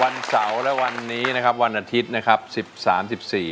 วันเสาร์และวันนี้วันอาทิตย์สิบสามสิบสี่